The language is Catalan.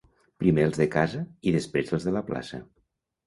Primer els de casa, i després els de la plaça.